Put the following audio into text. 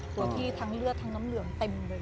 ตัวที่ทั้งเลือดทั้งน้ำเหลืองเต็มเลย